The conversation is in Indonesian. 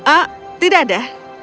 ah tidak ada